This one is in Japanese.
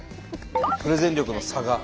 プレゼン力の差が。